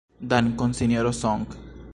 Dankon, Sinjoro Song.